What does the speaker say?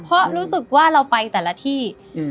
เพราะรู้สึกว่าเราไปแต่ละที่